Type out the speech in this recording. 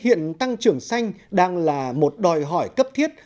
hiện tăng trưởng xanh đang là một đòi hỏi cấp thiết